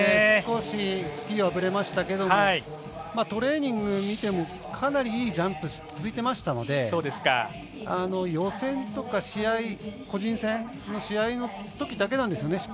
少しスキーは遅れましたがトレーニング見ても、かなりいいジャンプ続いていましたので予選とか個人戦の試合のときだけなんですね